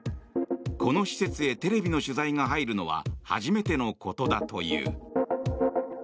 この施設へテレビの取材が入るのは初めてのことだという。